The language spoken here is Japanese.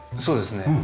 そうですね。